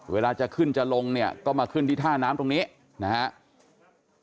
เวลาจะขึ้นจะลงเนี่ยก็มาขึ้นที่ท่าน้ำตรงนี้นะครับ